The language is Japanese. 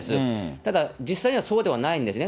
ただ、実際にはそうではないんですね。